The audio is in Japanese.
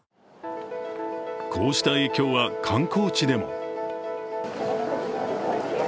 こうした影響は観光地でも。